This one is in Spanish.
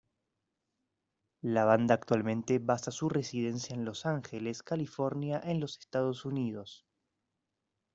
La banda actualmente basa su residencia en Los Ángeles, California en los Estados Unidos.